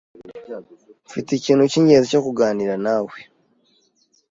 Mfite ikintu cyingenzi cyo kuganira nawe.